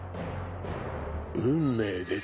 運命です。